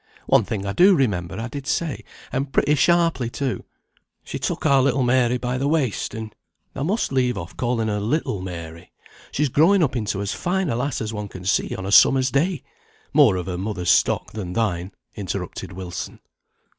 One thing I do remember I did say, and pretty sharply too. She took our little Mary by the waist, and " "Thou must leave off calling her 'little' Mary, she's growing up into as fine a lass as one can see on a summer's day; more of her mother's stock than thine," interrupted Wilson.